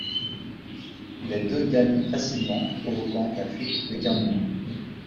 Les deux gagnent facilement, provoquant la fuite des garnements.